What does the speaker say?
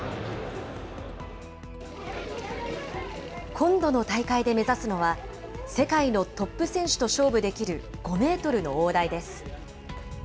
今度の大会で目指すのは、世界のトップ選手と勝負できる、５メートルの大台です。